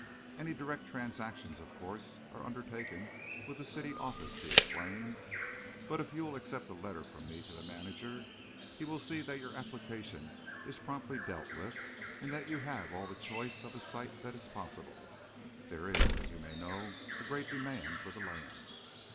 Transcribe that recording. "Any direct transactions, of course, are undertaken with the city office," he explained, "but if you will accept a letter from me to the manager, he will see that your application is promptly dealt with, and that you have all the choice of site that is possible. There is, as you may know, a great demand for the land."